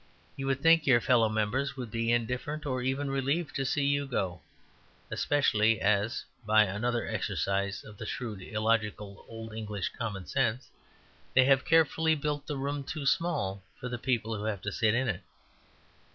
You would think your fellow members would be indifferent, or even relieved to see you go; especially as (by another exercise of the shrewd, illogical old English common sense) they have carefully built the room too small for the people who have to sit in it.